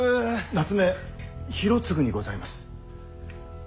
夏目広次にございます。